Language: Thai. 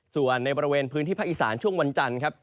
ส่วนในบริเวณพื้นที่ภาคอีสานช่วงวันจันทร์ครับ